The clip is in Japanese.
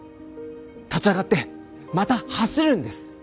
立ち上がってまた走るんです！